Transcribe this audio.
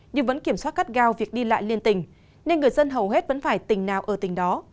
nhưng vẫn kiểm soát cắt gao việc đi lại liên tình nên người dân hầu hết vẫn phải tỉnh nào ở tỉnh đó